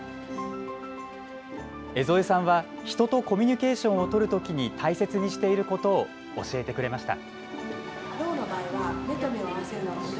江副さんは、人とコミュニケーションをとる時に大切にしていることを教えてくれました。